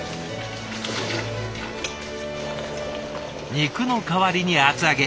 肉の代わりに厚揚げ。